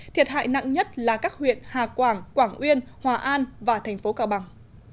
thiệt hại nặng nhất là các huyện hà quảng quảng uyên hòa an và thành phố cao bằng